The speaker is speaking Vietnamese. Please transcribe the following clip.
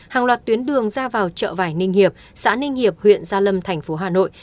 hàng loạt tuyến đường ra vào chợ vải ninh hiệp xã ninh hiệp huyện gia lâm tp hà nội